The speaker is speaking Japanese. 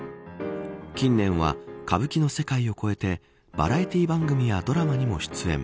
近年は、歌舞伎の世界を超えてバラエティー番組やドラマにも出演。